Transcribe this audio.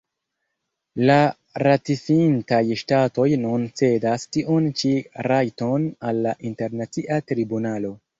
La ratifintaj ŝtatoj nun cedas tiun ĉi rajton al la Internacia Tribunalo.